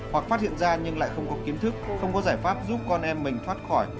hoặc phát hiện ra nhưng lại không có kiến thức không có giải pháp giúp con em mình thoát khỏi